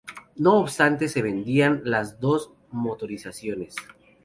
No obstante se vendían las dos motorizaciones.